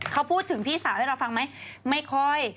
เขาพูดถึงพี่สาวให้เราฟังไหมไม่ค่อย